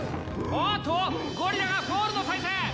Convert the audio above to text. おっとゴリラがフォールの体勢！